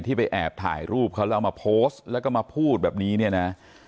ไปแอบถ่ายรูปเขาแล้วเอามาโพสต์แล้วก็มาพูดแบบนี้เนี่ยนะ